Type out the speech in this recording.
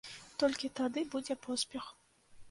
Толькі тады будзе поспех.